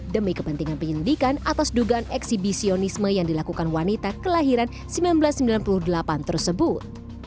demi kepentingan penyelidikan atas dugaan eksibisionisme yang dilakukan wanita kelahiran seribu sembilan ratus sembilan puluh delapan tersebut